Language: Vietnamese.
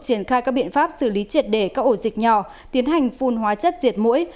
triển khai các biện pháp xử lý triệt để các ổ dịch nhỏ tiến hành phun hóa chất diệt mũi